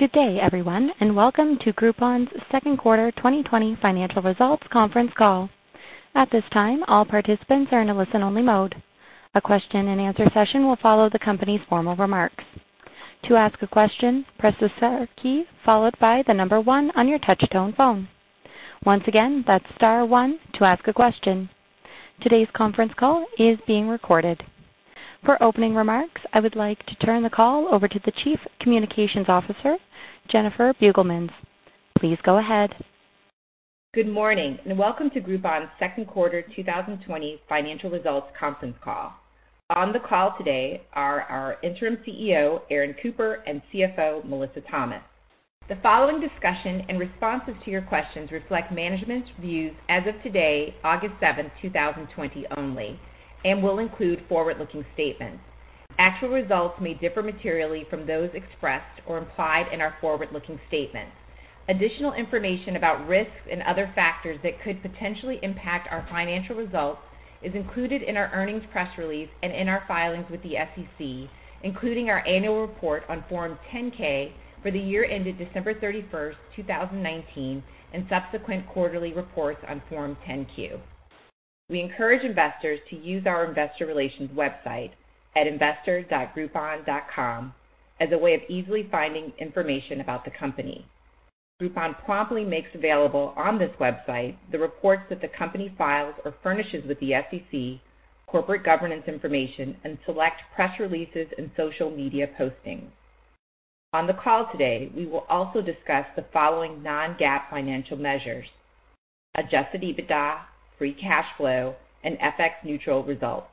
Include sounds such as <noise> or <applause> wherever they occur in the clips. Good day, everyone, and welcome to Groupon's second quarter 2020 financial results conference call. At this time, all participants are in a listen-only mode. A question-and-answer session will follow the company's formal remarks. To ask a question, press the star key followed by the number one on your touch-tone phone. Once again, that's star one to ask a question. Today's conference call is being recorded. For opening remarks, I would like to turn the call over to the Chief Communications Officer, Jennifer Beugelmans. Please go ahead. Good morning and welcome to Groupon's second quarter 2020 financial results conference call. On the call today are our Interim CEO, Aaron Cooper, and CFO, Melissa Thomas. The following discussion and responses to your questions reflect management's views as of today, August 7, 2020, only, and will include forward-looking statements. Actual results may differ materially from those expressed or implied in our forward-looking statements. Additional information about risks and other factors that could potentially impact our financial results is included in our earnings press release and in our filings with the SEC, including our annual report on Form 10-K for the year ended December 31, 2019, and subsequent quarterly reports on Form 10-Q. We encourage investors to use our investor relations website at investor.groupon.com as a way of easily finding information about the company. Groupon promptly makes available on this website the reports that the company files or furnishes with the SEC, corporate governance information, and select press releases and social media postings. On the call today, we will also discuss the following non-GAAP financial measures: Adjusted EBITDA, free cash flow, and FX-neutral results.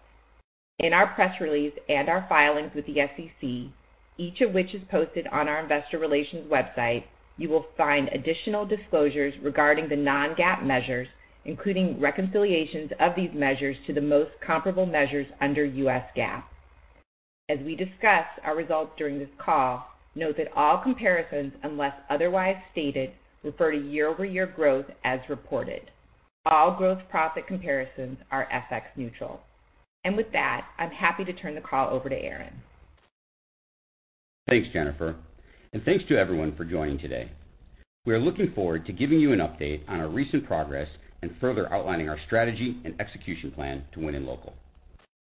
In our press release and our filings with the SEC, each of which is posted on our investor relations website, you will find additional disclosures regarding the non-GAAP measures, including reconciliations of these measures to the most comparable measures under U.S. GAAP. As we discuss our results during this call, note that all comparisons, unless otherwise stated, refer to year-over-year growth as reported. All gross profit comparisons are FX-neutral. And with that, I'm happy to turn the call over to Aaron. Thanks, Jennifer, and thanks to everyone for joining today. We are looking forward to giving you an update on our recent progress and further outlining our strategy and execution plan to win in local.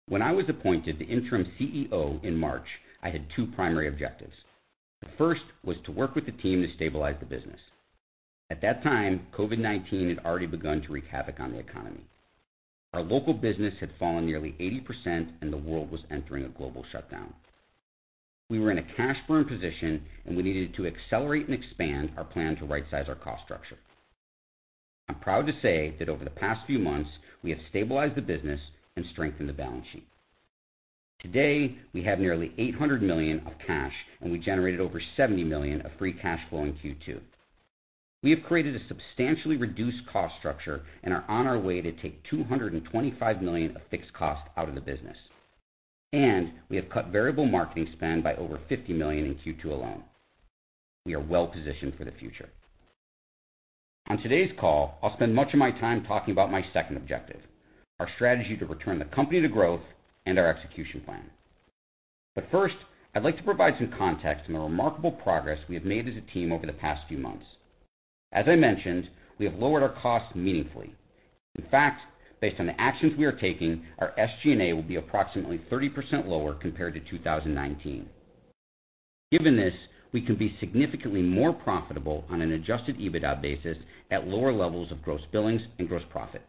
When I was appointed the Interim CEO in March, I had two primary objectives. The first was to work with the team to stabilize the business. At that time, COVID-19 had already begun to wreak havoc on the economy. Our local business had fallen nearly 80%, and the world was entering a global shutdown. We were in a cash-burn position, and we needed to accelerate and expand our plan to right-size our cost structure. I'm proud to say that over the past few months, we have stabilized the business and strengthened the balance sheet. Today, we have nearly $800 million of cash, and we generated over $70 million of free cash flow in Q2. We have created a substantially reduced cost structure and are on our way to take $225 million of fixed cost out of the business, and we have cut variable marketing spend by over $50 million in Q2 alone. We are well-positioned for the future. On today's call, I'll spend much of my time talking about my second objective: our strategy to return the company to growth and our execution plan, but first, I'd like to provide some context on the remarkable progress we have made as a team over the past few months. As I mentioned, we have lowered our costs meaningfully. In fact, based on the actions we are taking, our SG&A will be approximately 30% lower compared to 2019. Given this, we can be significantly more profitable on an Adjusted EBITDA basis at lower levels of gross billings and gross profit.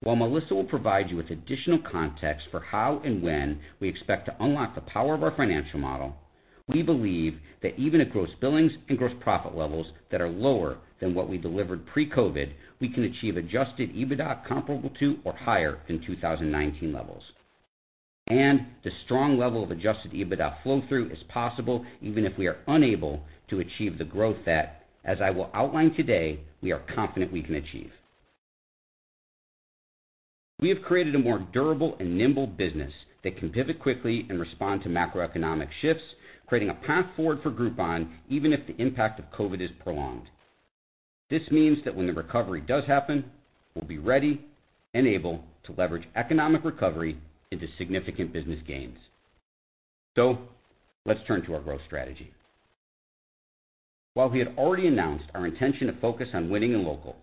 While Melissa will provide you with additional context for how and when we expect to unlock the power of our financial model, we believe that even at gross billings and gross profit levels that are lower than what we delivered pre-COVID, we can achieve Adjusted EBITDA comparable to or higher than 2019 levels. And the strong level of Adjusted EBITDA flow-through is possible even if we are unable to achieve the growth that, as I will outline today, we are confident we can achieve. We have created a more durable and nimble business that can pivot quickly and respond to macroeconomic shifts, creating a path forward for Groupon even if the impact of COVID is prolonged. This means that when the recovery does happen, we'll be ready and able to leverage economic recovery into significant business gains. So let's turn to our growth strategy. While we had already announced our intention to focus on winning in local,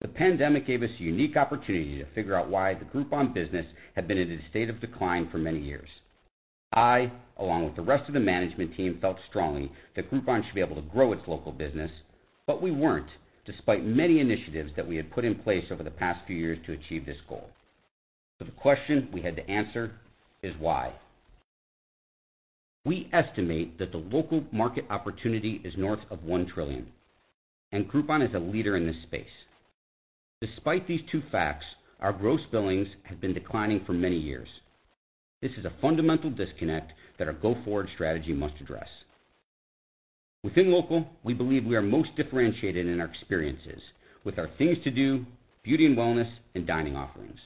the pandemic gave us a unique opportunity to figure out why the Groupon business had been in a state of decline for many years. I, along with the rest of the management team, felt strongly that Groupon should be able to grow its local business, but we weren't, despite many initiatives that we had put in place over the past few years to achieve this goal. So the question we had to answer is why. We estimate that the local market opportunity is north of $1 trillion, and Groupon is a leader in this space. Despite these two facts, our gross billings have been declining for many years. This is a fundamental disconnect that our go-forward strategy must address. Within Local, we believe we are most differentiated in our experiences with our Things to Do, Beauty & Wellness, and dining offerings.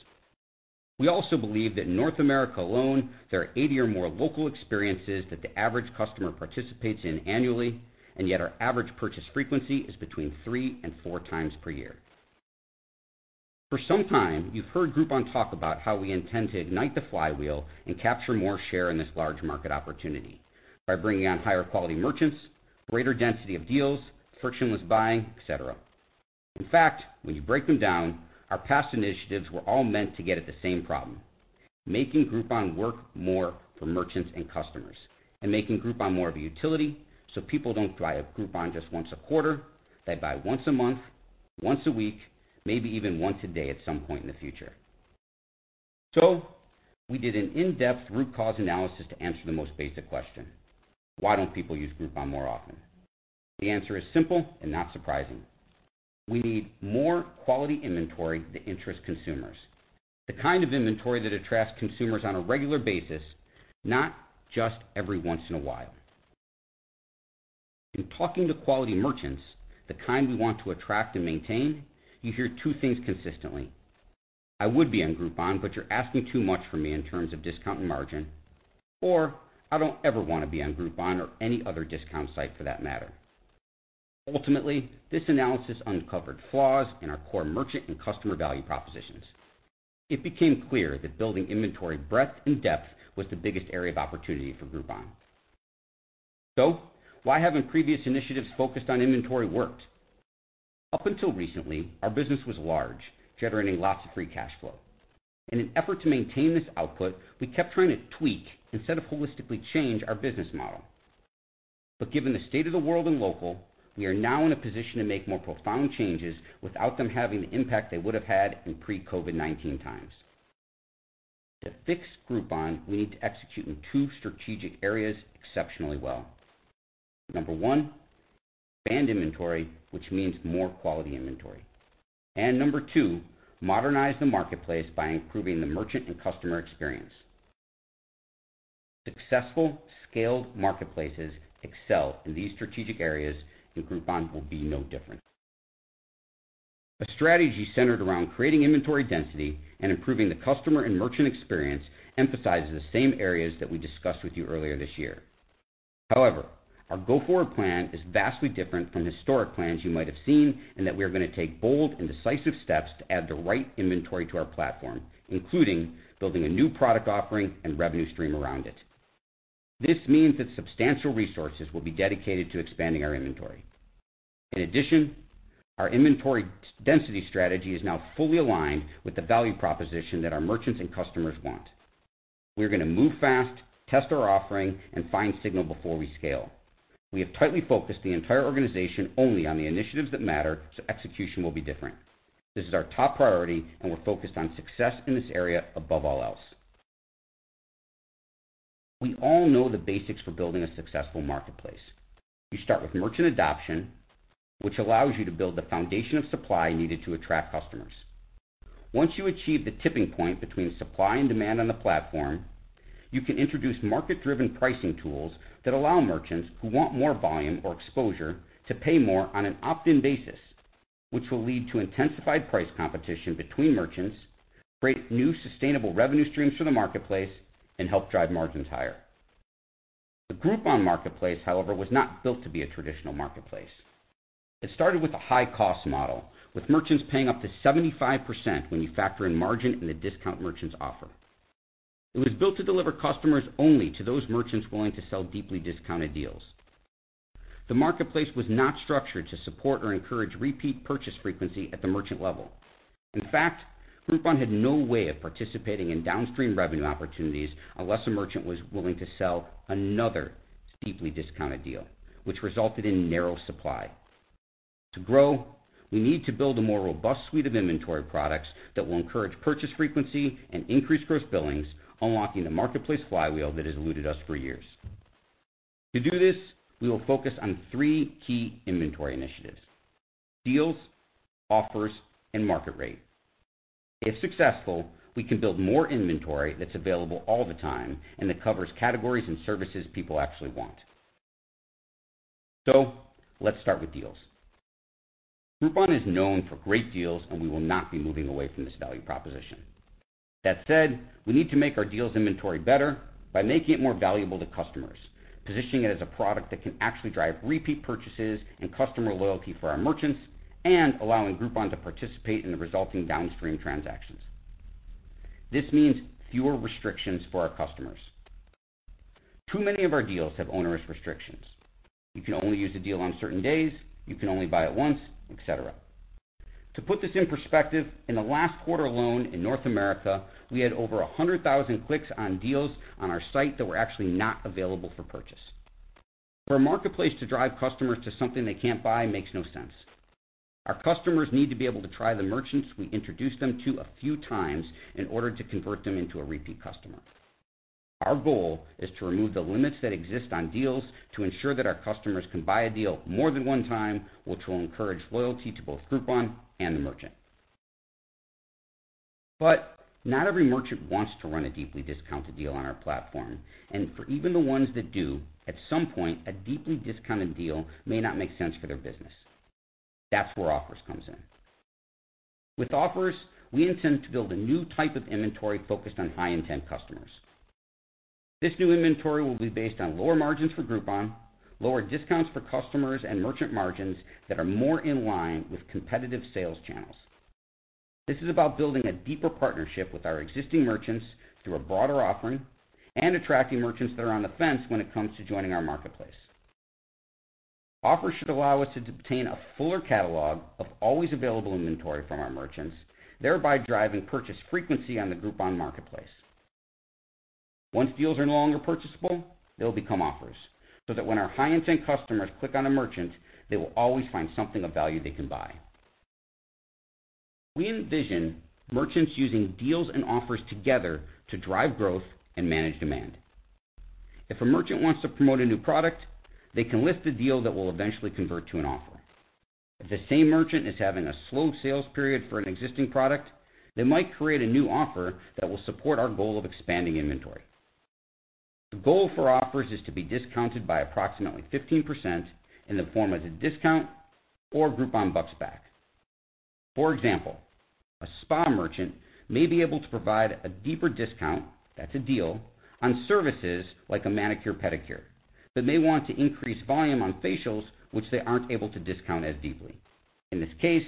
We also believe that in North America alone, there are 80 or more local experiences that the average customer participates in annually, and yet our average purchase frequency is between three and four times per year. For some time, you've heard Groupon talk about how we intend to ignite the flywheel and capture more share in this large market opportunity by bringing on higher-quality merchants, greater density of deals, frictionless buying, etc. In fact, when you break them down, our past initiatives were all meant to get at the same problem: making Groupon work more for merchants and customers and making Groupon more of a utility so people don't buy at Groupon just once a quarter. They buy once a month, once a week, maybe even once a day at some point in the future. So we did an in-depth root cause analysis to answer the most basic question: why don't people use Groupon more often? The answer is simple and not surprising. We need more quality inventory that interests consumers, the kind of inventory that attracts consumers on a regular basis, not just every once in a while. In talking to quality merchants, the kind we want to attract and maintain, you hear two things consistently: "I would be on Groupon, but you're asking too much for me in terms of discount and margin," or "I don't ever want to be on Groupon or any other discount site for that matter." Ultimately, this analysis uncovered flaws in our core merchant and customer value propositions. It became clear that building inventory breadth and depth was the biggest area of opportunity for Groupon. So why haven't previous initiatives focused on inventory worked? Up until recently, our business was large, generating lots of free cash flow. In an effort to maintain this output, we kept trying to tweak instead of holistically change our business model. But given the state of the world in local, we are now in a position to make more profound changes without them having the impact they would have had in pre-COVID-19 times. To fix Groupon, we need to execute in two strategic areas exceptionally well: number one, expand inventory, which means more quality inventory, and number two, modernize the marketplace by improving the merchant and customer experience. Successful, scaled marketplaces excel in these strategic areas, and Groupon will be no different. A strategy centered around creating inventory density and improving the customer and merchant experience emphasizes the same areas that we discussed with you earlier this year. However, our go-forward plan is vastly different from historic plans you might have seen in that we are going to take bold and decisive steps to add the right inventory to our platform, including building a new product offering and revenue stream around it. This means that substantial resources will be dedicated to expanding our inventory. In addition, our inventory density strategy is now fully aligned with the value proposition that our merchants and customers want. We are going to move fast, test our offering, and find signal before we scale. We have tightly focused the entire organization only on the initiatives that matter, so execution will be different. This is our top priority, and we're focused on success in this area above all else. We all know the basics for building a successful marketplace. You start with merchant adoption, which allows you to build the foundation of supply needed to attract customers. Once you achieve the tipping point between supply and demand on the platform, you can introduce market-driven pricing tools that allow merchants who want more volume or exposure to pay more on an opt-in basis, which will lead to intensified price competition between merchants, create new sustainable revenue streams for the marketplace, and help drive margins higher. The Groupon marketplace, however, was not built to be a traditional marketplace. It started with a high-cost model, with merchants paying up to 75% when you factor in margin and the discount merchants offer. It was built to deliver customers only to those merchants willing to sell deeply discounted deals. The marketplace was not structured to support or encourage repeat purchase frequency at the merchant level. In fact, Groupon had no way of participating in downstream revenue opportunities unless a merchant was willing to sell another deeply discounted deal, which resulted in narrow supply. To grow, we need to build a more robust suite of inventory products that will encourage purchase frequency and increase gross billings, unlocking the marketplace flywheel that has eluded us for years. To do this, we will focus on three key inventory initiatives: deals, offers, and market rate. If successful, we can build more inventory that's available all the time and that covers categories and services people actually want. So let's start with deals. Groupon is known for great deals, and we will not be moving away from this value proposition. That said, we need to make our Deals inventory better by making it more valuable to customers, positioning it as a product that can actually drive repeat purchases and customer loyalty for our merchants, and allowing Groupon to participate in the resulting downstream transactions. This means fewer restrictions for our customers. Too many of our Deals have onerous restrictions. You can only use a deal on certain days. You can only buy it once, etc. To put this in perspective, in the last quarter alone in North America, we had over 100,000 clicks on Deals on our site that were actually not available for purchase. For a marketplace to drive customers to something they can't buy makes no sense. Our customers need to be able to try the merchants we introduce them to a few times in order to convert them into a repeat customer. Our goal is to remove the limits that exist on Deals to ensure that our customers can buy a deal more than one time, which will encourage loyalty to both Groupon and the merchant. But not every merchant wants to run a deeply discounted deal on our platform. And for even the ones that do, at some point, a deeply discounted deal may not make sense for their business. That's where offers comes in. With offers, we intend to build a new type of inventory focused on high-intent customers. This new inventory will be based on lower margins for Groupon, lower discounts for customers, and merchant margins that are more in line with competitive sales channels. This is about building a deeper partnership with our existing merchants through a broader offering and attracting merchants that are on the fence when it comes to joining our marketplace. Offers should allow us to obtain a fuller catalog of always-available inventory from our merchants, thereby driving purchase frequency on the Groupon marketplace. Once Deals are no longer purchasable, they'll become offers so that when our high-intent customers click on a merchant, they will always find something of value they can buy. We envision merchants using Deals and offers together to drive growth and manage demand. If a merchant wants to promote a new product, they can list a deal that will eventually convert to an offer. If the same merchant is having a slow sales period for an existing product, they might create a new offer that will support our goal of expanding inventory. The goal for offers is to be discounted by approximately 15% in the form of a discount or Groupon Bucks back. For example, a spa merchant may be able to provide a deeper discount - that's a deal - on services like a manicure, pedicure, but may want to increase volume on facials, which they aren't able to discount as deeply. In this case,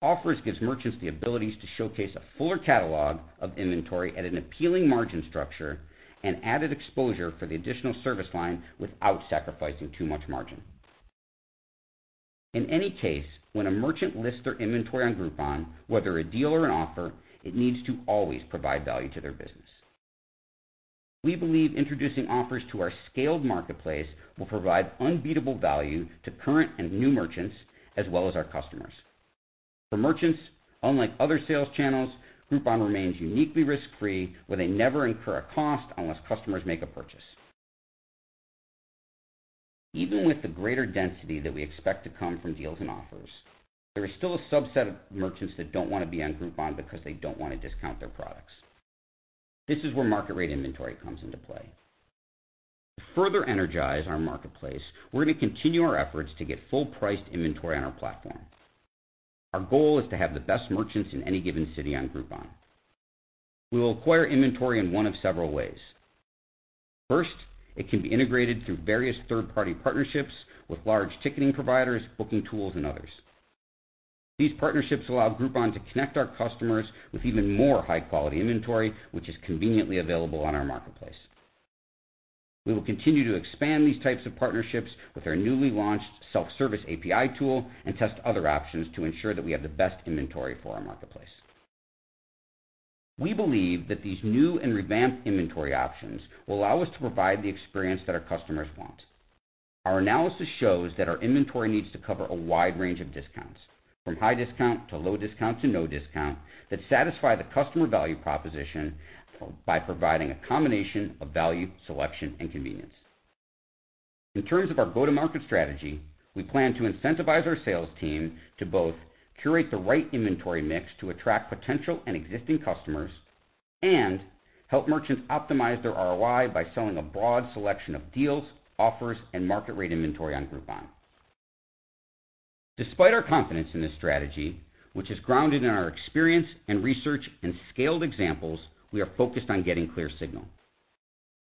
offers give merchants the abilities to showcase a fuller catalog of inventory at an appealing margin structure and added exposure for the additional service line without sacrificing too much margin. In any case, when a merchant lists their inventory on Groupon, whether a deal or an offer, it needs to always provide value to their business. We believe introducing offers to our scaled marketplace will provide unbeatable value to current and new merchants as well as our customers. For merchants, unlike other sales channels, Groupon remains uniquely risk-free, where they never incur a cost unless customers make a purchase. Even with the greater density that we expect to come from Deals and Offers, there is still a subset of merchants that don't want to be on Groupon because they don't want to discount their products. This is where Market Rate inventory comes into play. To further energize our marketplace, we're going to continue our efforts to get full-priced inventory on our platform. Our goal is to have the best merchants in any given city on Groupon. We will acquire inventory in one of several ways. First, it can be integrated through various third-party partnerships with large ticketing providers, booking tools, and others. These partnerships allow Groupon to connect our customers with even more high-quality inventory, which is conveniently available on our marketplace. We will continue to expand these types of partnerships with our newly launched self-service API tool and test other options to ensure that we have the best inventory for our marketplace. We believe that these new and revamped inventory options will allow us to provide the experience that our customers want. Our analysis shows that our inventory needs to cover a wide range of discounts, from high discount to low discount to no discount, that satisfy the customer value proposition by providing a combination of value, selection, and convenience. In terms of our go-to-market strategy, we plan to incentivize our sales team to both curate the right inventory mix to attract potential and existing customers and help merchants optimize their ROI by selling a broad selection of deals, offers, and market-rate inventory on Groupon. Despite our confidence in this strategy, which is grounded in our experience and research and scaled examples, we are focused on getting clear signal.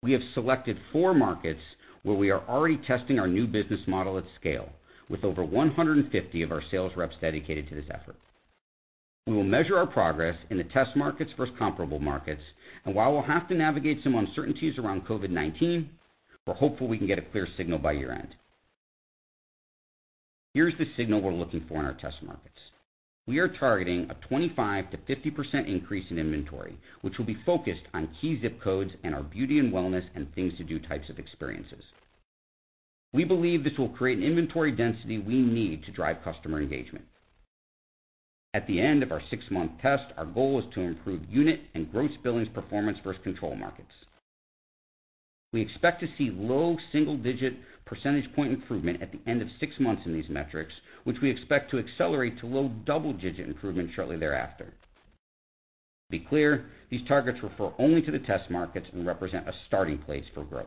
We have selected four markets where we are already testing our new business model at scale, with over 150 of our sales reps dedicated to this effort. We will measure our progress in the test markets versus comparable markets, and while we'll have to navigate some uncertainties around COVID-19, we're hopeful we can get a clear signal by year-end. Here's the signal we're looking for in our test markets. We are targeting a 25%-50% increase in inventory, which will be focused on key zip codes and our beauty and wellness and things-to-do types of experiences. We believe this will create an inventory density we need to drive customer engagement. At the end of our six-month test, our goal is to improve unit and gross billings performance versus control markets. We expect to see low single-digit percentage point improvement at the end of six months in these metrics, which we expect to accelerate to low double-digit improvement shortly thereafter. To be clear, these targets refer only to the test markets and represent a starting place for growth.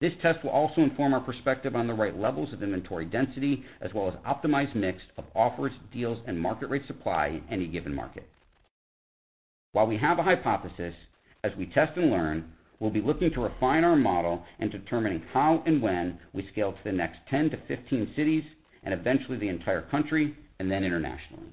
This test will also inform our perspective on the right levels of inventory density as well as optimized mix of offers, deals, and market-rate supply in any given market. While we have a hypothesis, as we test and learn, we'll be looking to refine our model and determine how and when we scale to the next 10-15 cities and eventually the entire country and then internationally.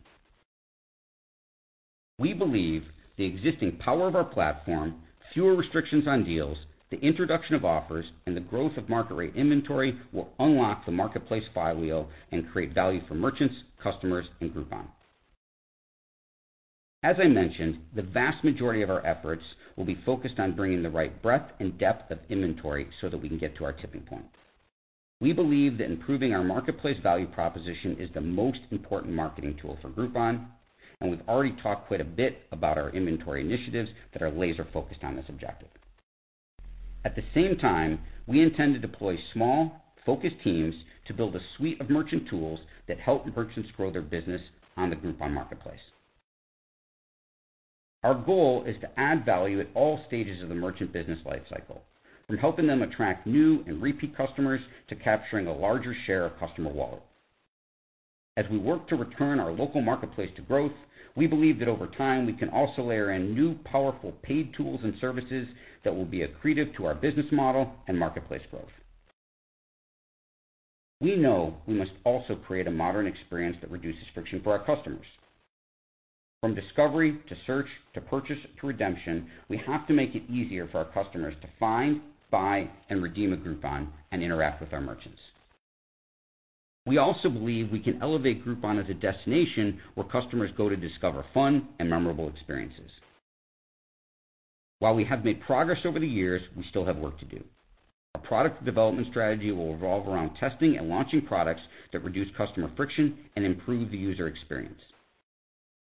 We believe the existing power of our platform, fewer restrictions on deals, the introduction of offers, and the growth of market-rate inventory will unlock the marketplace flywheel and create value for merchants, customers, and Groupon. As I mentioned, the vast majority of our efforts will be focused on bringing the right breadth and depth of inventory so that we can get to our tipping point. We believe that improving our marketplace value proposition is the most important marketing tool for Groupon, and we've already talked quite a bit about our inventory initiatives that are laser-focused on this objective. At the same time, we intend to deploy small, focused teams to build a suite of merchant tools that help merchants grow their business on the Groupon marketplace. Our goal is to add value at all stages of the merchant business life cycle, from helping them attract new and repeat customers to capturing a larger share of customer wallet. As we work to return our local marketplace to growth, we believe that over time we can also layer in new powerful paid tools and services that will be accretive to our business model and marketplace growth. We know we must also create a modern experience that reduces friction for our customers. From discovery to search to purchase to redemption, we have to make it easier for our customers to find, buy, and redeem at Groupon and interact with our merchants. We also believe we can elevate Groupon as a destination where customers go to discover fun and memorable experiences. While we have made progress over the years, we still have work to do. Our product development strategy will revolve around testing and launching products that reduce customer friction and improve the user experience.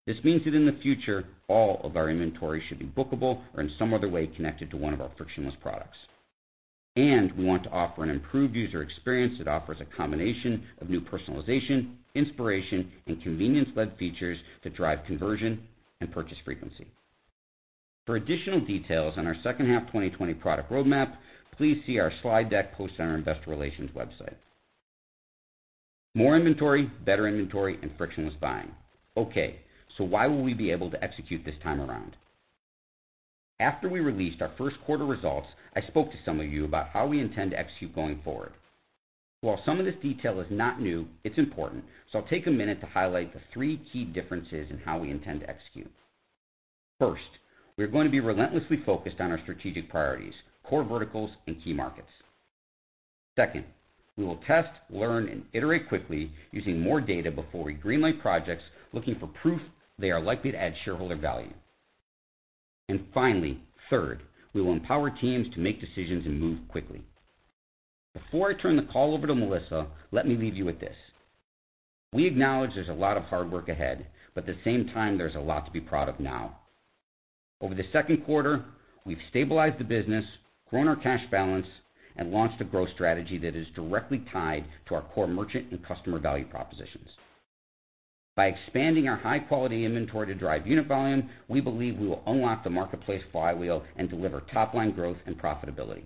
This means that in the future, all of our inventory should be bookable or in some other way connected to one of our frictionless products. And we want to offer an improved user experience that offers a combination of new personalization, inspiration, and convenience-led features to drive conversion and purchase frequency. For additional details on our second half 2020 product roadmap, please see our slide deck posted on our investor relations website. More inventory, better inventory, and frictionless buying. Okay, so why will we be able to execute this time around? After we released our first quarter results, I spoke to some of you about how we intend to execute going forward. While some of this detail is not new, it's important, so I'll take a minute to highlight the three key differences in how we intend to execute. First, we're going to be relentlessly focused on our strategic priorities, core verticals, and key markets. Second, we will test, learn, and iterate quickly using more data before we greenlight projects looking for proof they are likely to add shareholder value. And finally, third, we will empower teams to make decisions and move quickly. Before I turn the call over to Melissa, let me leave you with this. We acknowledge there's a lot of hard work ahead, but at the same time, there's a lot to be proud of now. Over the second quarter, we've stabilized the business, grown our cash balance, and launched a growth strategy that is directly tied to our core merchant and customer value propositions. By expanding our high-quality inventory to drive unit volume, we believe we will unlock the marketplace flywheel and deliver top-line growth and profitability.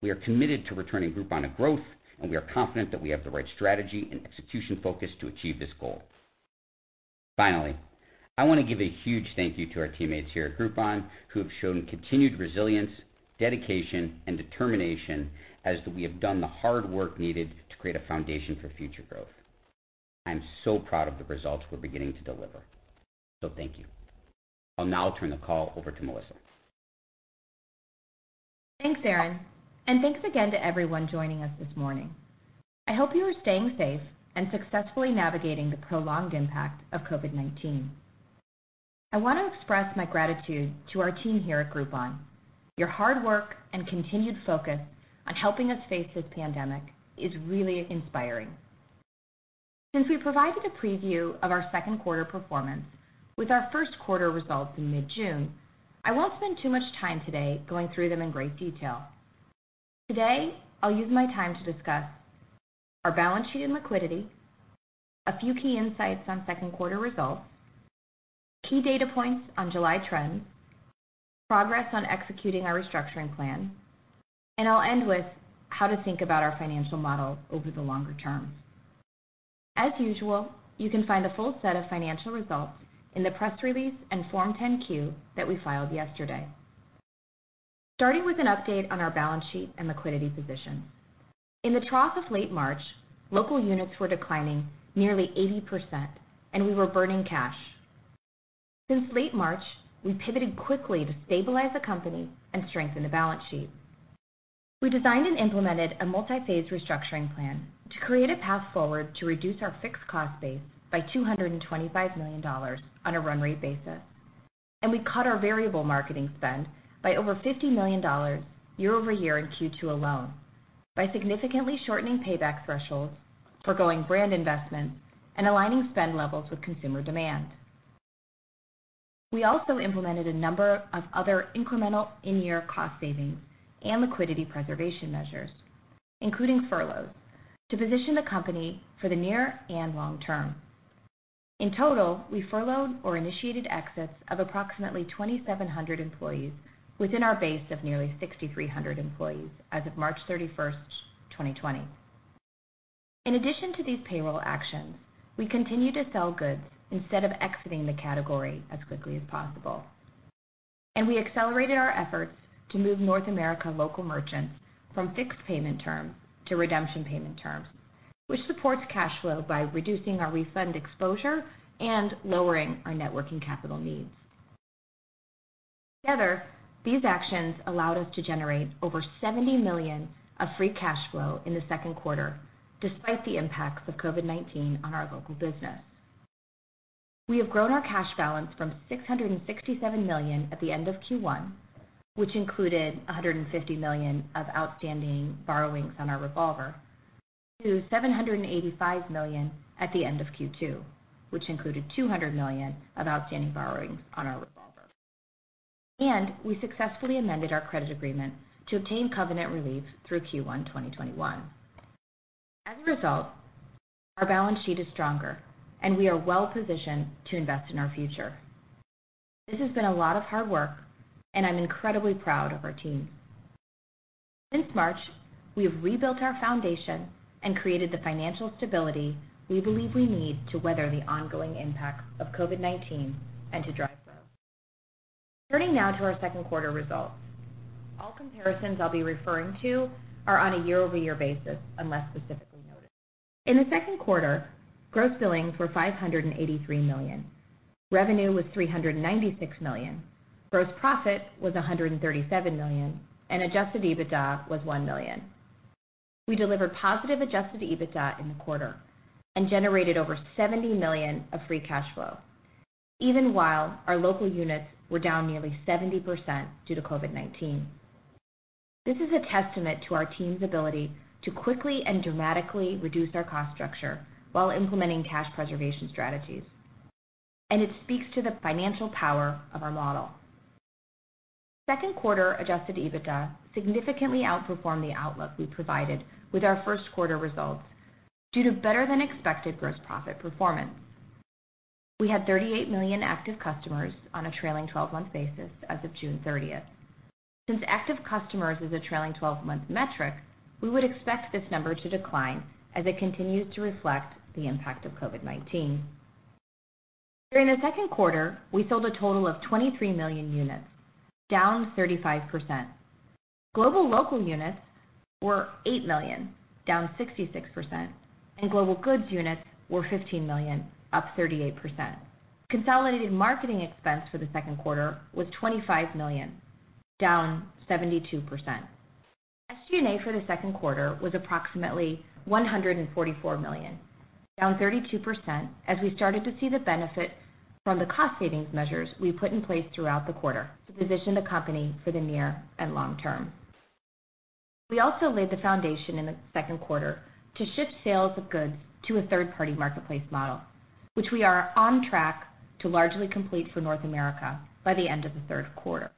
We are committed to returning Groupon to growth, and we are confident that we have the right strategy and execution focus to achieve this goal. Finally, I want to give a huge thank you to our teammates here at Groupon who have shown continued resilience, dedication, and determination as we have done the hard work needed to create a foundation for future growth. I'm so proud of the results we're beginning to deliver. So thank you. I'll now turn the call over to Melissa. Thanks, Aaron. And thanks again to everyone joining us this morning. I hope you are staying safe and successfully navigating the prolonged impact of COVID-19. I want to express my gratitude to our team here at Groupon. Your hard work and continued focus on helping us face this pandemic is really inspiring. Since we provided a preview of our second quarter performance with our first quarter results in mid-June, I won't spend too much time today going through them in great detail. Today, I'll use my time to discuss our balance sheet and liquidity, a few key insights on second quarter results, key data points on July trends, progress on executing our restructuring plan, and I'll end with how to think about our financial model over the longer term. As usual, you can find the full set of financial results in the press release and Form 10-Q that we filed yesterday. Starting with an update on our balance sheet and liquidity position. In the trough of late March, local units were declining nearly 80%, and we were burning cash. Since late March, we pivoted quickly to stabilize the company and strengthen the balance sheet. We designed and implemented a multi-phase restructuring plan to create a path forward to reduce our fixed cost base by $225 million on a run-rate basis, and we cut our variable marketing spend by over $50 million year-over-year in Q2 alone by significantly shortening payback thresholds forgoing brand investments and aligning spend levels with consumer demand. We also implemented a number of other incremental in-year cost savings and liquidity preservation measures, including furloughs, to position the company for the near and long term. In total, we furloughed or initiated exits of approximately 2,700 employees within our base of nearly 6,300 employees as of March 31st, 2020. In addition to these payroll actions, we continue to sell goods instead of exiting the category as quickly as possible. We accelerated our efforts to move North America local merchants from fixed payment terms to redemption payment terms, which supports cash flow by reducing our refund exposure and lowering our net working capital needs. Together, these actions allowed us to generate over $70 million of free cash flow in the second quarter, despite the impacts of COVID-19 on our local business. We have grown our cash balance from $667 million at the end of Q1, which included $150 million of outstanding borrowings on our revolver, to $785 million at the end of Q2, which included $200 million of outstanding borrowings on our revolver. We successfully amended our credit agreement to obtain covenant relief through Q1 2021. As a result, our balance sheet is stronger, and we are well-positioned to invest in our future. This has been a lot of hard work, and I'm incredibly proud of our team. Since March, we have rebuilt our foundation and created the financial stability we believe we need to weather the ongoing impact of COVID-19 and to drive growth. Turning now to our second quarter results. All comparisons I'll be referring to are on a year-over-year basis unless specifically noted. In the second quarter, gross billings were $583 million. Revenue was $396 million. Gross profit was $137 million, and Adjusted EBITDA was $1 million. We delivered positive Adjusted EBITDA in the quarter and generated over $70 million of free cash flow, even while our local units were down nearly 70% due to COVID-19. This is a testament to our team's ability to quickly and dramatically reduce our cost structure while implementing cash preservation strategies, and it speaks to the financial power of our model. Second quarter adjusted EBITDA significantly outperformed the outlook we provided with our first quarter results due to better-than-expected gross profit performance. We had 38 million active customers on a trailing 12-month basis as of June 30th. Since active customers is a trailing 12-month metric, we would expect this number to decline as it continues to reflect the impact of COVID-19. During the second quarter, we sold a total of 23 million units, down 35%. Global local units were 8 million, down 66%, and global goods units were 15 million, up 38%. Consolidated marketing expense for the second quarter was $25 million, down 72%. SG&A for the second quarter was approximately $144 million, down 32% as we started to see the benefit from the cost savings measures we put in place throughout the quarter to position the company for the near and long term. We also laid the foundation in the second quarter to shift sales of goods to a third-party marketplace model, which we are on track to largely complete for North America by the end of the third quarter.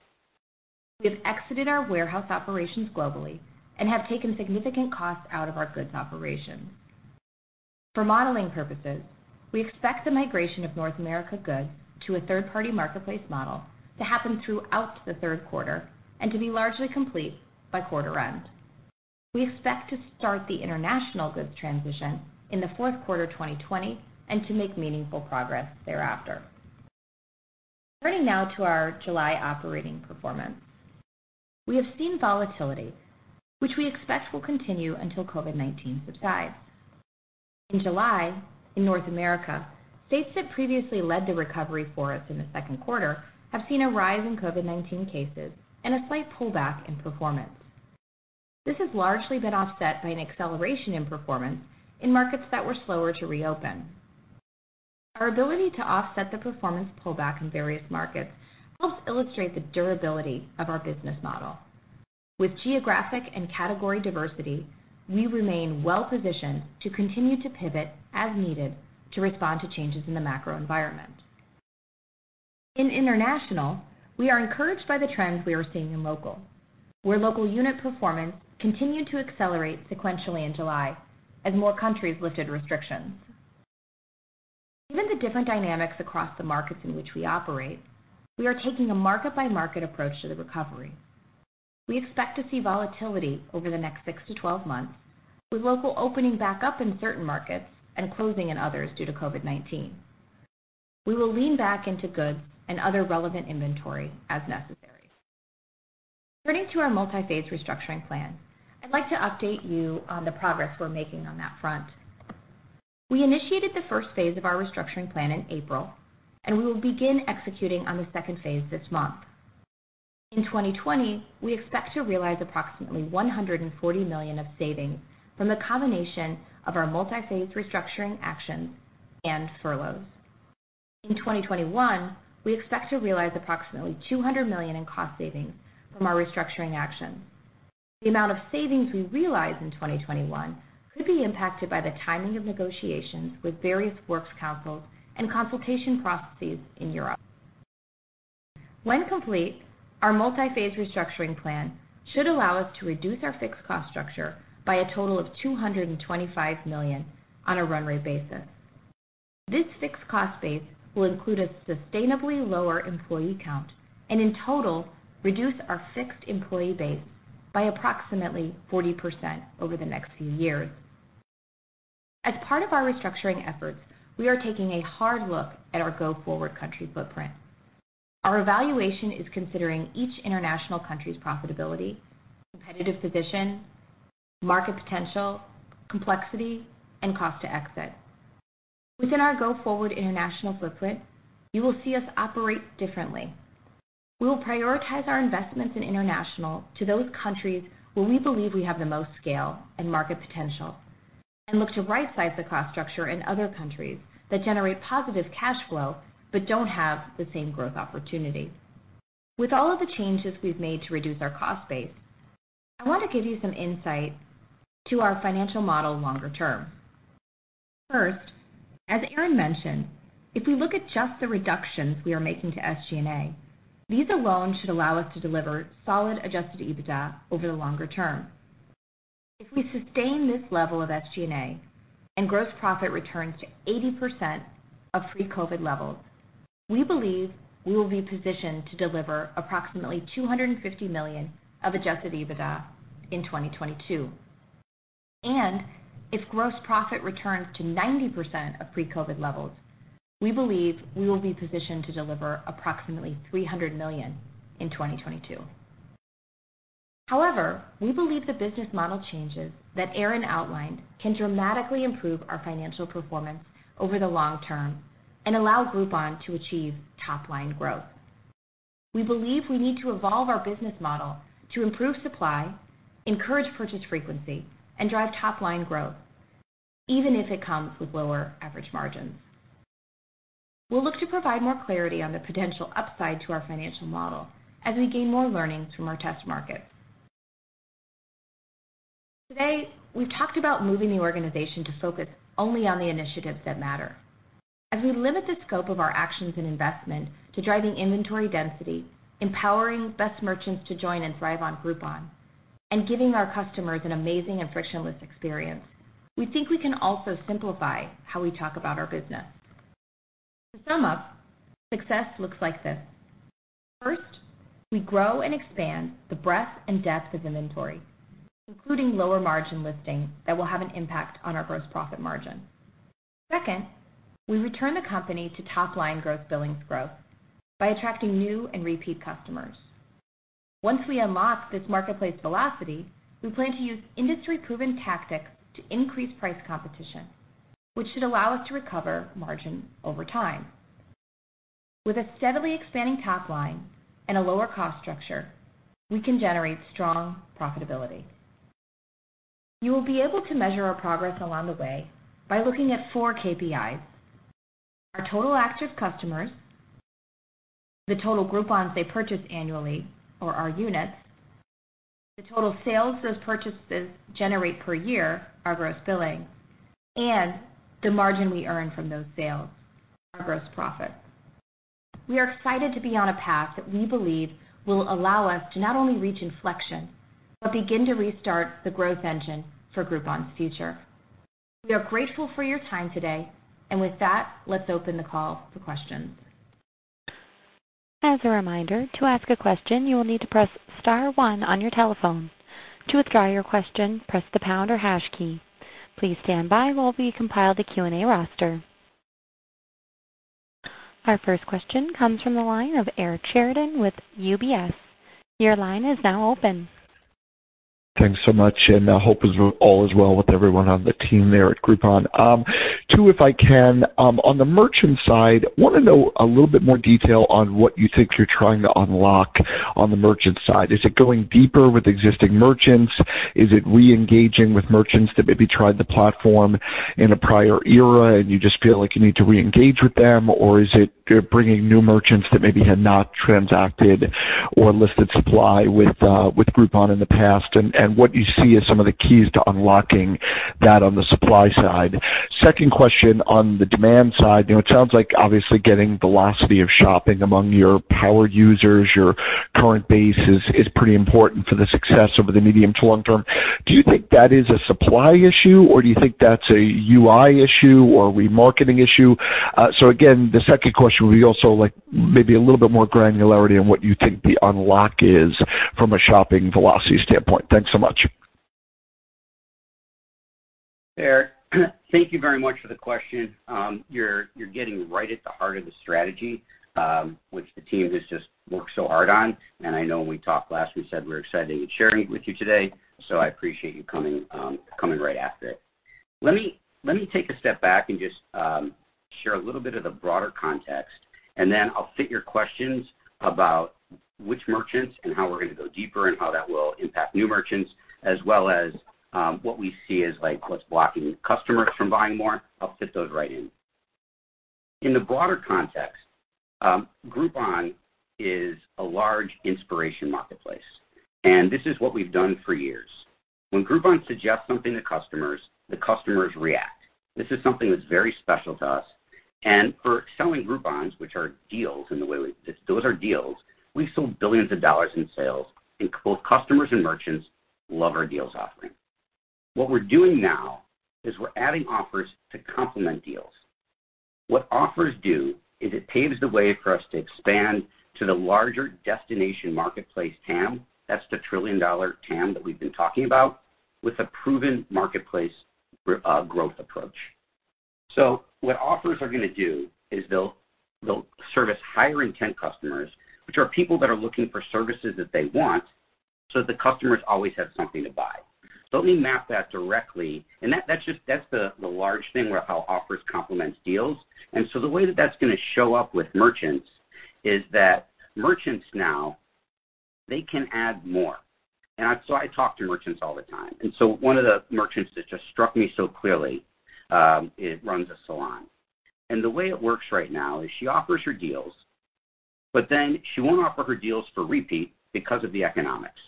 We have exited our warehouse operations globally and have taken significant costs out of our Goods operations. For modeling purposes, we expect the migration of North America Goods to a third-party marketplace model to happen throughout the third quarter and to be largely complete by quarter end. We expect to start the international Goods transition in the fourth quarter 2020 and to make meaningful progress thereafter. Turning now to our July operating performance. We have seen volatility, which we expect will continue until COVID-19 subsides. In July, in North America, states that previously led the recovery for us in the second quarter have seen a rise in COVID-19 cases and a slight pullback in performance. This has largely been offset by an acceleration in performance in markets that were slower to reopen. Our ability to offset the performance pullback in various markets helps illustrate the durability of our business model. With geographic and category diversity, we remain well-positioned to continue to pivot as needed to respond to changes in the macro environment. In international, we are encouraged by the trends we are seeing in local, where local unit performance continued to accelerate sequentially in July as more countries lifted restrictions. Given the different dynamics across the markets in which we operate, we are taking a market-by-market approach to the recovery. We expect to see volatility over the next six to 12 months, with local opening back up in certain markets and closing in others due to COVID-19. We will lean back into Goods and other relevant inventory as necessary. Turning to our multi-phase restructuring plan, I'd like to update you on the progress we're making on that front. We initiated the first phase of our restructuring plan in April, and we will begin executing on the second phase this month. In 2020, we expect to realize approximately $140 million of savings from the combination of our multi-phase restructuring actions and furloughs. In 2021, we expect to realize approximately $200 million in cost savings from our restructuring actions. The amount of savings we realize in 2021 could be impacted by the timing of negotiations with various works councils and consultation processes in Europe. When complete, our multi-phase restructuring plan should allow us to reduce our fixed cost structure by a total of $225 million on a run-rate basis. This fixed cost base will include a sustainably lower employee count and, in total, reduce our fixed employee base by approximately 40% over the next few years. As part of our restructuring efforts, we are taking a hard look at our go-forward country footprint. Our evaluation is considering each international country's profitability, competitive position, market potential, complexity, and cost to exit. Within our go-forward international footprint, you will see us operate differently. We will prioritize our investments in international to those countries where we believe we have the most scale and market potential and look to right-size the cost structure in other countries that generate positive cash flow but don't have the same growth opportunity. With all of the changes we've made to reduce our cost base, I want to give you some insight to our financial model longer term. First, as Aaron mentioned, if we look at just the reductions we are making to SG&A, these alone should allow us to deliver solid Adjusted EBITDA over the longer term. If we sustain this level of SG&A and gross profit returns to 80% of pre-COVID levels, we believe we will be positioned to deliver approximately $250 million of Adjusted EBITDA in 2022, and if gross profit returns to 90% of pre-COVID levels, we believe we will be positioned to deliver approximately $300 million in 2022. However, we believe the business model changes that Aaron outlined can dramatically improve our financial performance over the long term and allow Groupon to achieve top-line growth. We believe we need to evolve our business model to improve supply, encourage purchase frequency, and drive top-line growth, even if it comes with lower average margins. We'll look to provide more clarity on the potential upside to our financial model as we gain more learnings from our test markets. Today, we've talked about moving the organization to focus only on the initiatives that matter. As we limit the scope of our actions and investment to driving inventory density, empowering best merchants to join and thrive on Groupon, and giving our customers an amazing and frictionless experience, we think we can also simplify how we talk about our business. To sum up, success looks like this. First, we grow and expand the breadth and depth of inventory, including lower margin listing that will have an impact on our gross profit margin. Second, we return the company to top-line gross billings growth by attracting new and repeat customers. Once we unlock this marketplace velocity, we plan to use industry-proven tactics to increase price competition, which should allow us to recover margin over time. With a steadily expanding top line and a lower cost structure, we can generate strong profitability. You will be able to measure our progress along the way by looking at four KPIs: our total active customers, the total Groupons they purchase annually, or our units, the total sales those purchases generate per year, our gross billings, and the margin we earn from those sales, our gross profit. We are excited to be on a path that we believe will allow us to not only reach inflection but begin to restart the growth engine for Groupon's future. We are grateful for your time today. And with that, let's open the call for questions. As a reminder, to ask a question, you will need to press star one on your telephone. To withdraw your question, press the pound or hash key. Please stand by while we compile the Q&A roster. Our first question comes from the line of Eric Sheridan with UBS. Your line is now open. Thanks so much. And I hope all is well with everyone on the team there at Groupon. Two, if I can, on the merchant side, I want to know a little bit more detail on what you think you're trying to unlock on the merchant side. Is it going deeper with existing merchants? Is it re-engaging with merchants that maybe tried the platform in a prior era and you just feel like you need to re-engage with them? Or is it bringing new merchants that maybe had not transacted or listed supply with Groupon in the past? And what do you see as some of the keys to unlocking that on the supply side? Second question on the demand side. It sounds like, obviously, getting velocity of shopping among your power users, your current base, is pretty important for the success over the medium to long term. Do you think that is a supply issue, or do you think that's a UI issue or a remarketing issue? So again, the second question would be also maybe a little bit more granularity on what you think the unlock is from a shopping velocity standpoint. Thanks so much. Eric, thank you very much for the question. You're getting right at the heart of the strategy, which the team has just worked so hard on. I know when we talked last, we said we're excited to be sharing it with you today. So I appreciate you coming right after it. Let me take a step back and just share a little bit of the broader context, and then I'll fit your questions about which merchants and how we're going to go deeper and how that will impact new merchants, as well as what we see as what's blocking customers from buying more. I'll fit those right in. In the broader context, Groupon is a large inspiration marketplace, and this is what we've done for years. When Groupon suggests something to customers, the customers react. This is something that's very special to us, and for selling Groupons, which are deals in the way those are deals, we've sold billions of dollars in sales, and both customers and merchants love our Deals offering. What we're doing now is we're adding offers to complement deals. What Offers do is it paves the way for us to expand to the larger destination marketplace TAM, that's the trillion-dollar TAM that we've been talking about, with a proven marketplace growth approach. So what Offers are going to do is they'll service higher-intent customers, which are people that are looking for services that they want, so that the customers always have something to buy. So let me map that directly. And that's the large thing where how Offers complement deals. And so the way that that's going to show up with merchants is that merchants now, they can add more. And so I talk to merchants all the time. And so one of the merchants that just struck me so clearly, it runs a salon. The way it works right now is she offers her Deals, but then she won't offer her Deals for repeat because of the economics.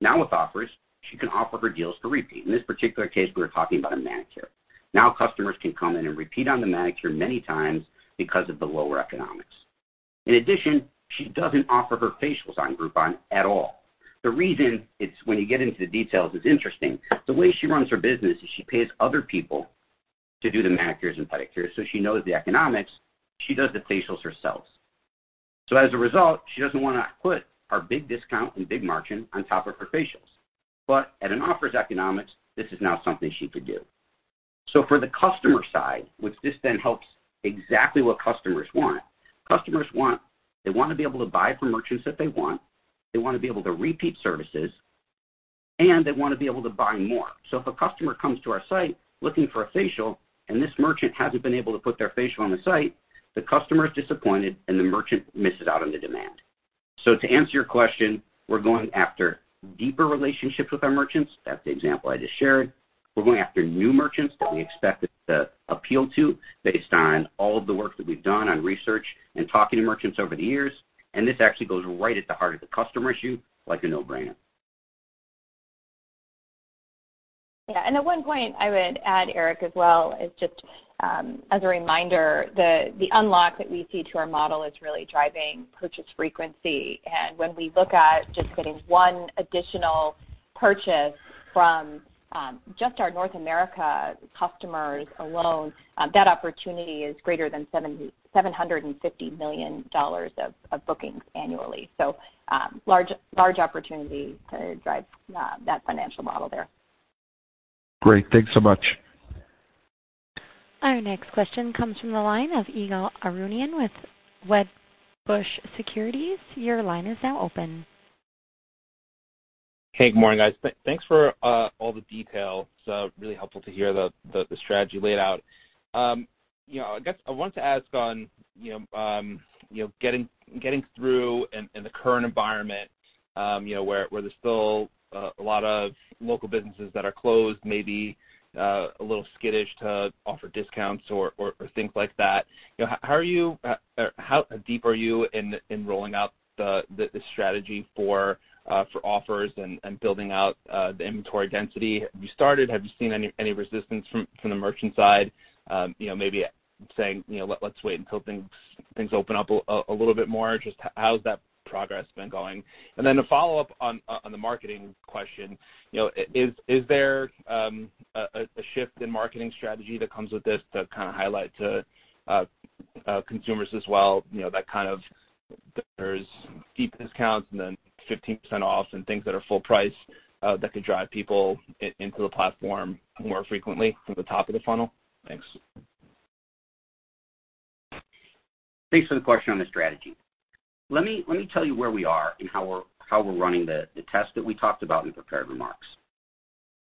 Now, with Offers, she can offer her Deals for repeat. In this particular case, we were talking about a manicure. Now, customers can come in and repeat on the manicure many times because of the lower economics. In addition, she doesn't offer her facials on Groupon at all. The reason is, when you get into the details, it's interesting. The way she runs her business is she pays other people to do the manicures and pedicures. So she knows the economics. She does the facials herself. So as a result, she doesn't want to put our big discount and big margin on top of her facials. But at an Offer's economics, this is now something she could do. So for the customer side, which this then helps exactly what customers want. Customers want. They want to be able to buy from merchants that they want. They want to be able to repeat services, and they want to be able to buy more. So if a customer comes to our site looking for a facial and this merchant hasn't been able to put their facial on the site, the customer is disappointed and the merchant misses out on the demand. So to answer your question, we're going after deeper relationships with our merchants. That's the example I just shared. We're going after new merchants that we expect to appeal to, based on all of the work that we've done on research and talking to merchants over the years. And this actually goes right at the heart of the customer issue, like a no-brainer. Yeah. And at one point, I would add, Eric, as well, as just as a reminder, the unlock that we see to our model is really driving purchase frequency. And when we look at just getting one additional purchase from just our North America customers alone, that opportunity is greater than $750 million of bookings annually. So large opportunity to drive that financial model there. Great. Thanks so much. Our next question comes from the line of Ygal Arounian with Wedbush Securities. Your line is now open. Hey, good morning, guys. Thanks for all the detail. It's really helpful to hear the strategy laid out. I guess I wanted to ask on getting through in the current environment where there's still a lot of local businesses that are closed, maybe a little skittish to offer discounts or things like that. How are you or how deep are you in rolling out the strategy for Offers and building out the inventory density? Have you started? Have you seen any resistance from the merchant side, maybe saying, "Let's wait until things open up a little bit more"? Just how has that progress been going? And then a follow-up on the marketing question, is there a shift in marketing strategy that comes with this to kind of highlight to consumers as well that kind of there's deep discounts and then 15% off and things that are full price that could drive people into the platform more frequently from the top of the funnel? Thanks. Thanks for the question on the strategy. Let me tell you where we are and how we're running the test that we talked about in the prepared remarks.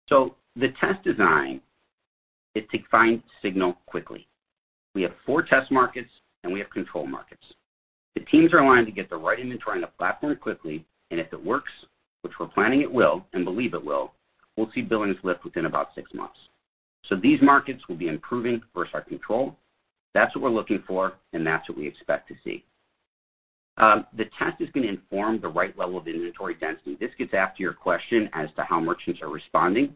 So the test design is to find signal quickly. We have four test markets, and we have control markets. The teams are aligned to get the right inventory on the platform quickly, and if it works, which we're planning it will and believe it will, we'll see billings lift within about six months, so these markets will be improving versus our control. That's what we're looking for, and that's what we expect to see. The test is going to inform the right level of inventory density. This gets at your question as to how merchants are responding,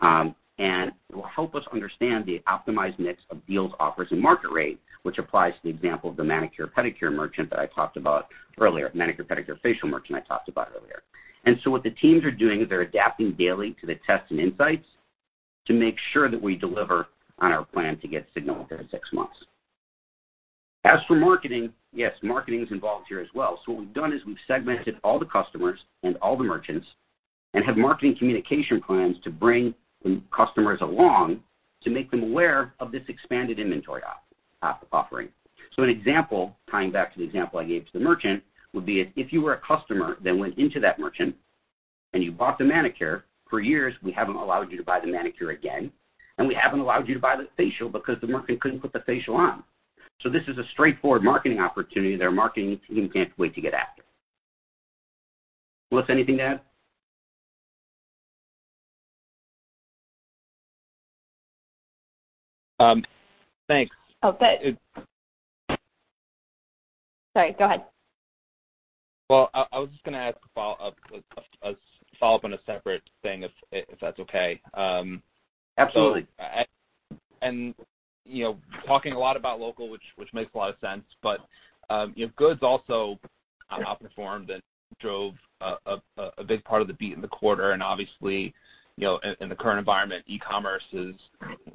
and it will help us understand the optimized mix of Deals, Offers, and Market Rate, which applies to the example of the manicure, pedicure merchant that I talked about earlier, manicure, pedicure, facial merchant I talked about earlier. And so what the teams are doing is they're adapting daily to the tests and insights to make sure that we deliver on our plan to get signal within six months. As for marketing, yes, marketing is involved here as well. So what we've done is we've segmented all the customers and all the merchants and have marketing communication plans to bring the customers along to make them aware of this expanded inventory offering. So an example, tying back to the example I gave to the merchant, would be if you were a customer that went into that merchant and you bought the manicure, for years, we haven't allowed you to buy the manicure again. And we haven't allowed you to buy the facial because the merchant couldn't put the facial on. So this is a straightforward marketing opportunity that our marketing team can't wait to get after. Is there anything to add? Thanks. <crosstalk> Oh, sorry. Go ahead. Well, I was just going to ask a follow-up on a separate thing, if that's okay. Absolutely. And talking a lot about local, which makes a lot of sense, but Goods also outperformed and drove a big part of the beat in the quarter. And obviously, in the current environment, e-commerce has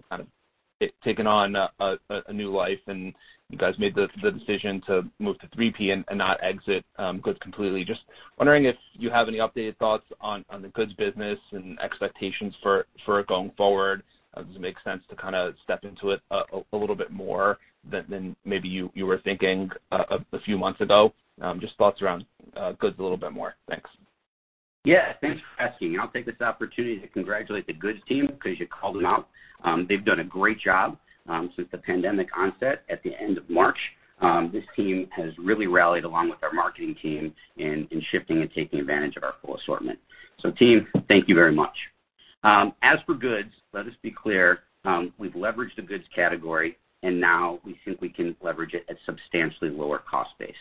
kind of taken on a new life. And you guys made the decision to move to 3P and not exit Goods completely. Just wondering if you have any updated thoughts on the Goods business and expectations for going forward. Does it make sense to kind of step into it a little bit more than maybe you were thinking a few months ago? Just thoughts around Goods a little bit more. Thanks. Yeah. Thanks for asking. I'll take this opportunity to congratulate the Goods team because you called them out. They've done a great job since the pandemic onset at the end of March. This team has really rallied along with our marketing team in shifting and taking advantage of our full assortment. So team, thank you very much. As for Goods, let us be clear. We've leveraged the Goods category, and now we think we can leverage it at substantially lower cost base.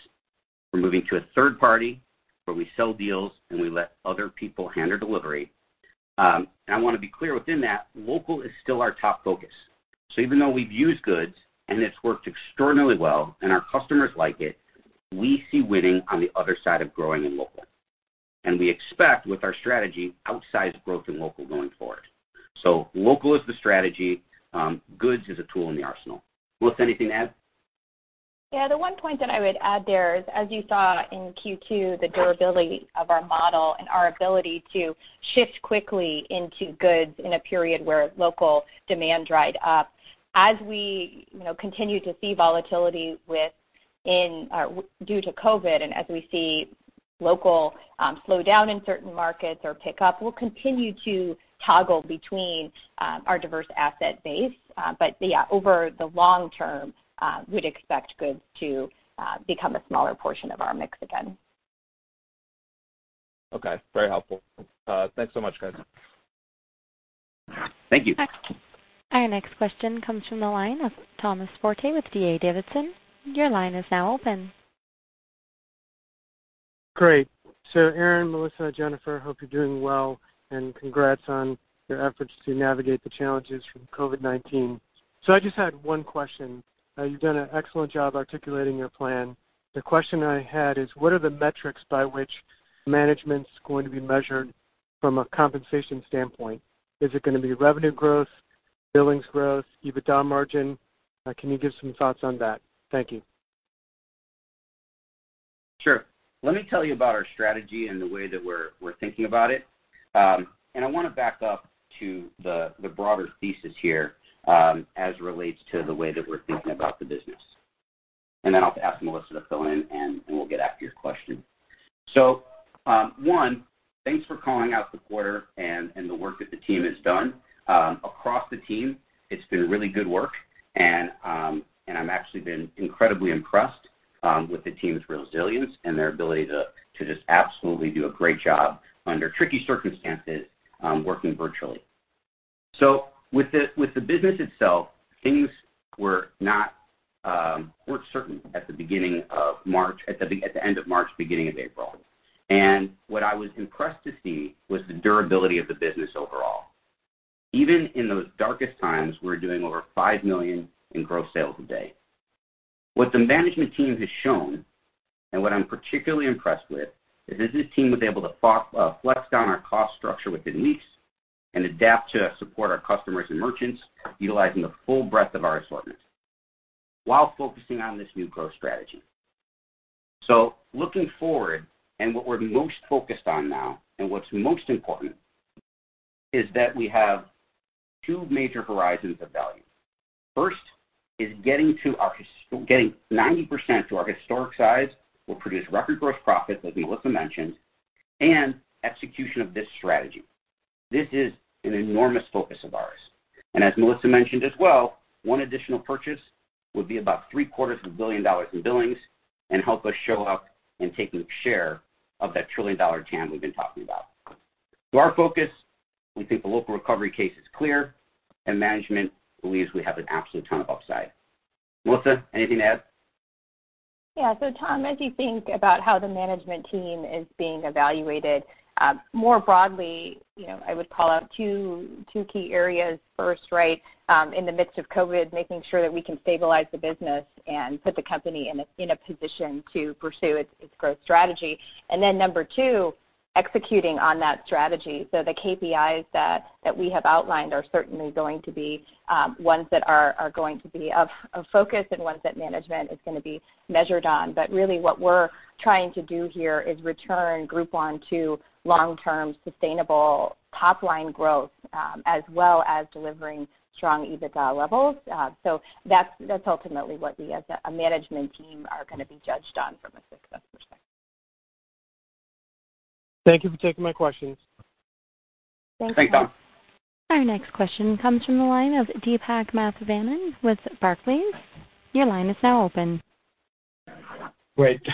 We're moving to a third party where we sell deals and we let other people handle delivery. And I want to be clear within that, local is still our top focus. So even though we've used Goods and it's worked extraordinarily well and our customers like it, we see winning on the other side of growing in local. And we expect with our strategy, outsize growth in local going forward. So, local is the strategy. Goods is a tool in the arsenal. Well, that's anything to add? Yeah. The one point that I would add there is, as you saw in Q2, the durability of our model and our ability to shift quickly into Goods in a period where local demand dried up. As we continue to see volatility due to COVID and as we see local slow down in certain markets or pick up, we'll continue to toggle between our diverse asset base. But yeah, over the long term, we'd expect Goods to become a smaller portion of our mix again. Okay. Very helpful. Thanks so much, guys. Thank you. Our next question comes from the line of Thomas Forte with D.A. Davidson. Your line is now open. Great. So, Aaron, Melissa, Jennifer, hope you're doing well. And congrats on your efforts to navigate the challenges from COVID-19. So I just had one question. You've done an excellent job articulating your plan. The question I had is, what are the metrics by which management's going to be measured from a compensation standpoint? Is it going to be revenue growth, billings growth, EBITDA margin? Can you give some thoughts on that? Thank you. Sure. Let me tell you about our strategy and the way that we're thinking about it. And I want to back up to the broader thesis here as it relates to the way that we're thinking about the business. And then I'll ask Melissa to fill in, and we'll get after your question. So one, thanks for calling out the quarter and the work that the team has done. Across the team, it's been really good work. I've actually been incredibly impressed with the team's resilience and their ability to just absolutely do a great job under tricky circumstances working virtually. With the business itself, things were not certain at the beginning of March, at the end of March, beginning of April. What I was impressed to see was the durability of the business overall. Even in those darkest times, we're doing over $5 million in gross sales a day. What the management team has shown, and what I'm particularly impressed with, is this team was able to flex down our cost structure within weeks and adapt to support our customers and merchants utilizing the full breadth of our assortment while focusing on this new growth strategy. Looking forward, and what we're most focused on now and what's most important is that we have two major horizons of value. First is getting 90% to our historic size will produce record gross profits, as Melissa mentioned, and execution of this strategy. This is an enormous focus of ours. And as Melissa mentioned as well, one additional purchase would be about $750 million in billings and help us show up and take a share of that $1 trillion TAM we've been talking about. So our focus, we think the local recovery case is clear, and management believes we have an absolute ton of upside. Melissa, anything to add? Yeah. So Tom, as you think about how the management team is being evaluated, more broadly, I would call out two key areas. First, right, in the midst of COVID, making sure that we can stabilize the business and put the company in a position to pursue its growth strategy. And then number two, executing on that strategy. So the KPIs that we have outlined are certainly going to be ones that are going to be of focus and ones that management is going to be measured on. But really, what we're trying to do here is return Groupon to long-term sustainable top-line growth as well as delivering strong EBITDA levels. So that's ultimately what we, as a management team, are going to be judged on from a success perspective. Thank you for taking my questions. Thank you. Thanks, Tom. Our next question comes from the line of Deepak Mathivanan with Barclays. Your line is now open. Great.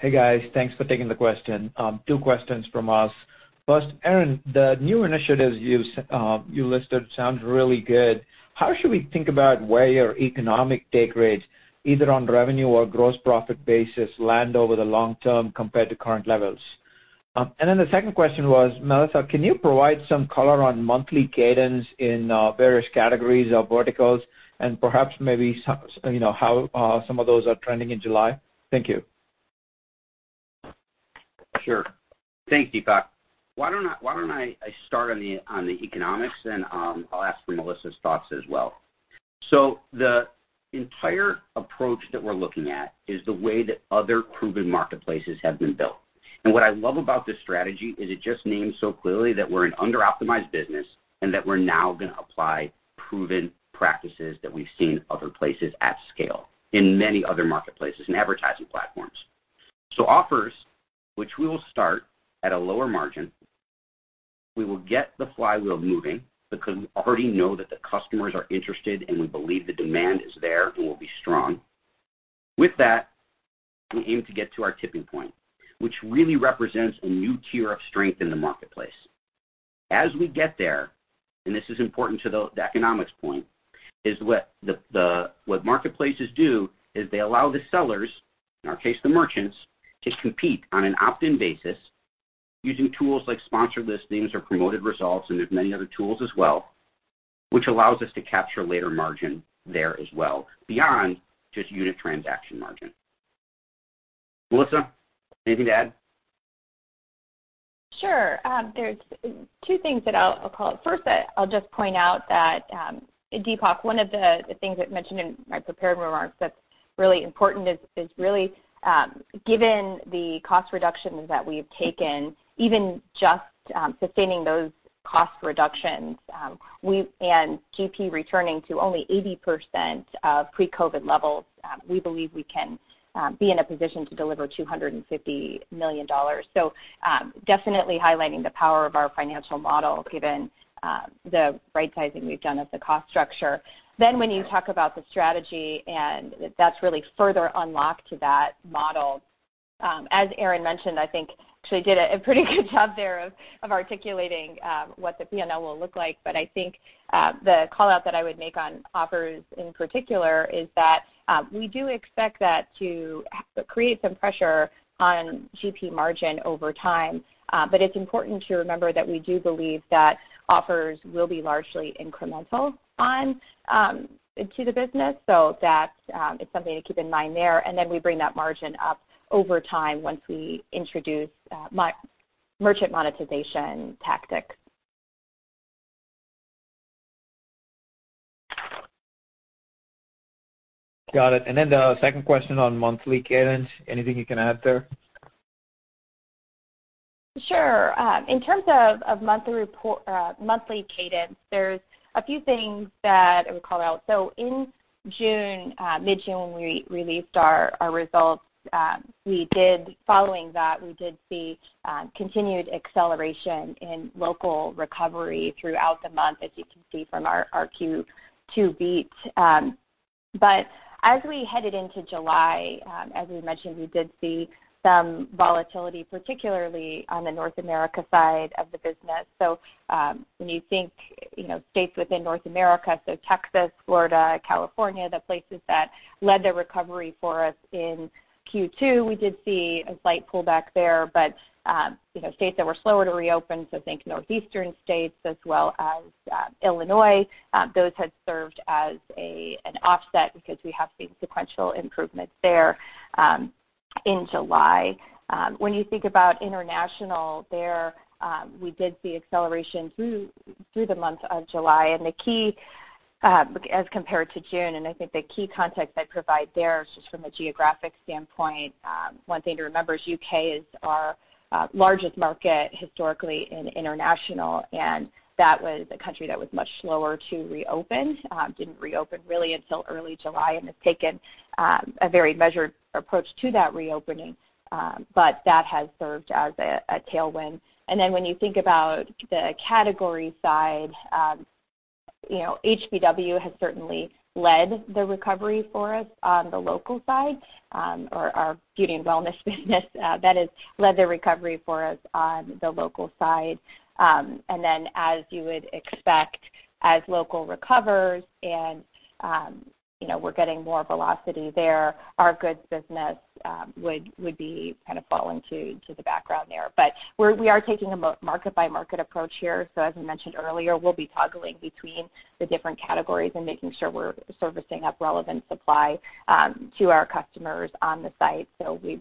Hey, guys. Thanks for taking the question. Two questions from us. First, Aaron, the new initiatives you listed sound really good. How should we think about where your economic decrease, either on revenue or gross profit basis, lands over the long term compared to current levels? And then the second question was, Melissa, can you provide some color on monthly cadence in various categories of verticals and perhaps maybe how some of those are trending in July? Thank you. Sure. Thanks, Deepak. Why don't I start on the economics, and I'll ask for Melissa's thoughts as well. So the entire approach that we're looking at is the way that other proven marketplaces have been built. And what I love about this strategy is it just names so clearly that we're an under-optimized business and that we're now going to apply proven practices that we've seen other places at scale in many other marketplaces and advertising platforms. So Offers, which we will start at a lower margin, we will get the flywheel moving because we already know that the customers are interested and we believe the demand is there and will be strong. With that, we aim to get to our tipping point, which really represents a new tier of strength in the marketplace. As we get there, and this is important to the economics point, is what marketplaces do is they allow the sellers, in our case, the merchants, to compete on an opt-in basis using tools like Sponsored Listings or promoted results, and there's many other tools as well, which allows us to capture later margin there as well beyond just unit transaction margin. Melissa, anything to add? Sure. There's two things that I'll call out. First, I'll just point out that, Deepak, one of the things that I mentioned in my prepared remarks that's really important is really, given the cost reductions that we've taken, even just sustaining those cost reductions and GP returning to only 80% of pre-COVID levels, we believe we can be in a position to deliver $250 million. So definitely highlighting the power of our financial model given the right-sizing we've done of the cost structure. Then when you talk about the strategy, and that's really further unlocked to that model. As Aaron mentioned, I think she did a pretty good job there of articulating what the P&L will look like. But I think the callout that I would make on Offers in particular is that we do expect that to create some pressure on GP margin over time. But it's important to remember that we do believe that Offers will be largely incremental to the business. So that's something to keep in mind there. And then we bring that margin up over time once we introduce merchant monetization tactics. Got it. And then the second question on monthly cadence, anything you can add there? Sure. In terms of monthly cadence, there's a few things that I would call out. So in June, mid-June, when we released our results, following that, we did see continued acceleration in local recovery throughout the month, as you can see from our Q2 beat. But as we headed into July, as we mentioned, we did see some volatility, particularly on the North America side of the business. So when you think states within North America, so Texas, Florida, California, the places that led the recovery for us in Q2, we did see a slight pullback there. But states that were slower to reopen, so I think northeastern states as well as Illinois, those had served as an offset because we have seen sequential improvements there in July. When you think about international, we did see acceleration through the month of July. And as compared to June, and I think the key context I'd provide there is just from a geographic standpoint, one thing to remember is U.K. is our largest market historically in international, and that was a country that was much slower to reopen. Didn't reopen really until early July and has taken a very measured approach to that reopening. But that has served as a tailwind. And then when you think about the category side, HBW has certainly led the recovery for us on the local side, or our beauty and wellness business that has led the recovery for us on the local side. And then, as you would expect, as local recovers and we're getting more velocity there, our Goods business would be kind of falling to the background there. But we are taking a market-by-market approach here. So as I mentioned earlier, we'll be toggling between the different categories and making sure we're servicing up relevant supply to our customers on the site. So we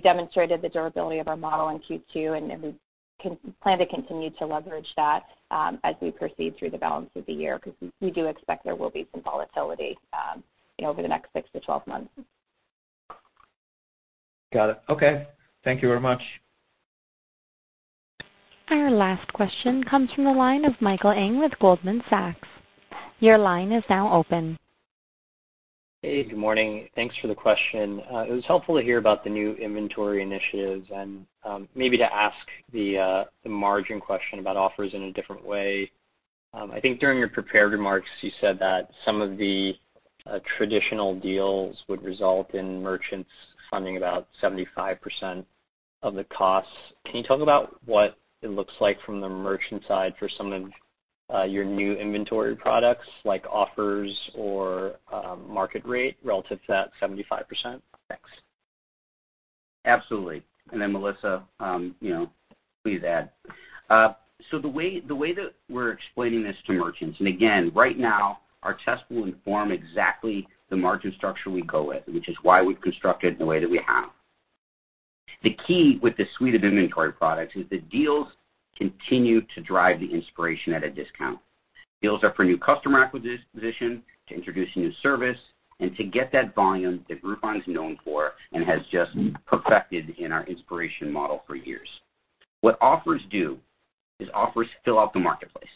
demonstrated the durability of our model in Q2, and we plan to continue to leverage that as we proceed through the balance of the year because we do expect there will be some volatility over the next six to 12 months. Got it. Okay. Thank you very much. Our last question comes from the line of Michael Ng with Goldman Sachs. Your line is now open. Hey, good morning. Thanks for the question. It was helpful to hear about the new inventory initiatives and maybe to ask the margin question about Offers in a different way. I think during your prepared remarks, you said that some of the traditional deals would result in merchants funding about 75% of the costs. Can you talk about what it looks like from the merchant side for some of your new inventory products, like Offers or market rate relative to that 75%? Thanks. Absolutely. And then, Melissa, please add. So the way that we're explaining this to merchants, and again, right now, our test will inform exactly the margin structure we go with, which is why we've constructed the way that we have. The key with the suite of inventory products is that deals continue to drive the inspiration at a discount. Deals are for new customer acquisition, to introduce a new service, and to get that volume that Groupon is known for and has just perfected in our inspiration model for years. What Offers do is Offers fill out the marketplace.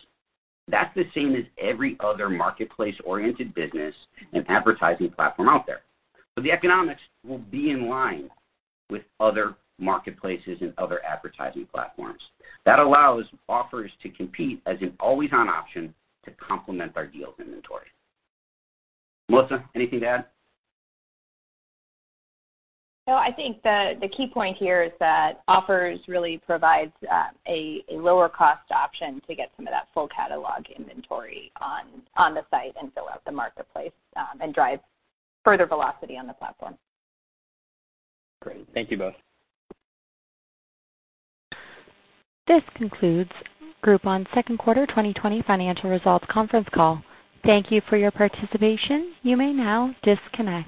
That's the same as every other marketplace-oriented business and advertising platform out there. So the economics will be in line with other marketplaces and other advertising platforms. That allows Offers to compete as an always-on option to complement our deals inventory. Melissa, anything to add? No, I think the key point here is that Offers really provide a lower-cost option to get some of that full catalog inventory on the site and fill out the marketplace and drive further velocity on the platform. Great. Thank you both. This concludes Groupon's second quarter 2020 financial results conference call. Thank you for your participation. You may now disconnect.